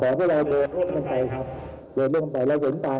อะไรเรื่องมันต่างกันผมได้จัดนะเลือกไม่ต้องตาย